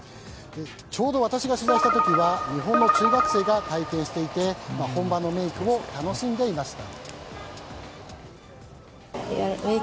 ちょうど私が取材した時は日本の中学生が体験していて本場のメイクを楽しんでいました。